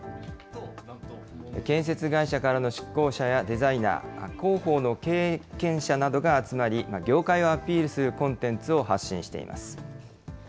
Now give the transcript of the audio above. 建設会社からの出向者や、デザイナー、広報の経験者などが集まり、業界をアピールするコンテンツを発信しています。